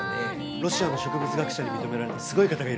ロシアの植物学者に認められたすごい方がいらっしゃると。